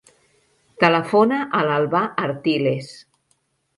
Telefona a l'Albà Artiles.